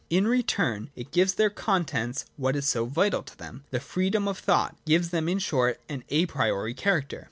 In return it gives their contents what is so vital to them, the freedom of thought,— gives them, in short, an a priori character.